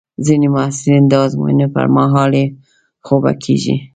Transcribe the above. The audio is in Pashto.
ځینې محصلین د ازموینو پر مهال بې خوبه کېږي.